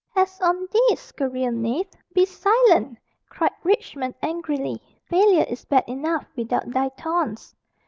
"Pest on thee, scurril knave be silent!" cried Richmond angrily; "failure is bad enough without thy taunts."